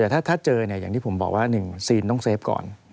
แต่ถ้าเจออย่างที่ผมบอกว่า๑ซีนต้องเฟฟก่อน